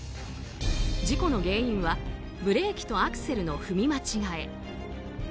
事故の原因はブレーキとアクセルの踏み間違え。